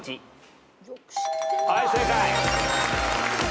はい正解。